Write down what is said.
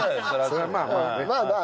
そりゃまあまあねっ。